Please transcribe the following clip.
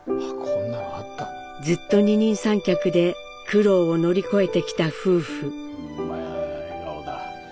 ずっと二人三脚で苦労を乗り越えてきた夫婦。